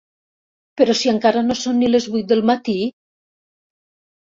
Però si encara no són ni les vuit del matí!